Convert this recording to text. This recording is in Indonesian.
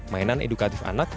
mainan edukatif anak